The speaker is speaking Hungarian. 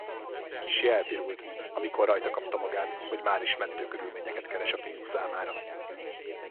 Kissé elpirult, amikor rajtakapta magát, hogy máris mentő körülményeket keres a fiú számára.